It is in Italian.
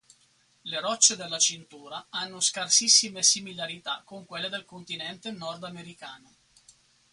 Le rocce della cintura hanno scarsissime similarità con quelle del continente nordamericano.